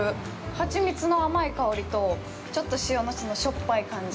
ハチミツの甘い香りと、ちょっと塩のそのしょっぱい感じ？